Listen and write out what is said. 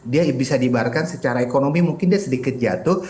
dia bisa dibayarkan secara ekonomi mungkin dia sedikit jatuh